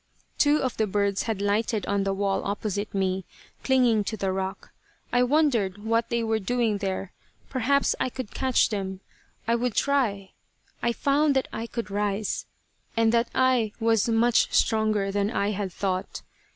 Two of the birds had lighted on the wall opposite me, clinging to the rock. I wondered what they were doing there. Perhaps I could catch them. I would try. I found that I could rise, and that I was much stronger than I had thought.